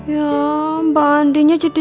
ya mbak andinya jadi sedih